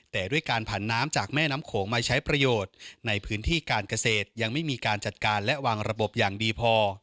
แต่ด้วยการผ่านน้ำจากแม่น้ำโขงมาใช้ประโยชน์ในพื้นที่การเกษตรยังไม่มีการจัดการและวางระบบอย่างดีพอ